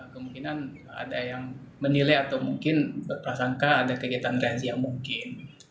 kemungkinan ada yang menilai atau mungkin berprasangka ada kegiatan graji yang mungkin